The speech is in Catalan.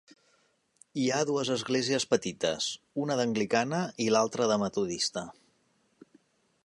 Hi ha dues esglésies petites, una d'anglicana i l'altra de metodista.